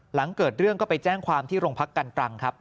หลังเกิดเรื่องก็ไปแจ้งความที่โรงพักกันตรังครับ